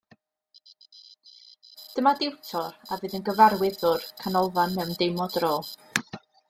Dyma diwtor a fydd yn gyfarwyddwr canolfan mewn dim o dro